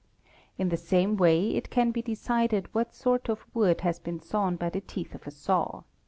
In the same way it can be é decided what sort of wood has been sawn by the teeth of a saw.